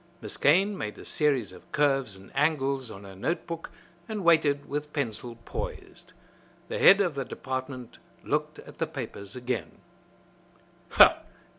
Miss Kane made a series of curves and angles on her note book and waited with pencil poised. The head of the department looked at the papers again.